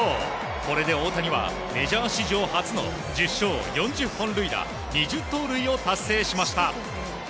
これで大谷は、メジャー史上初の１０勝４０本塁打２０盗塁を達成しました。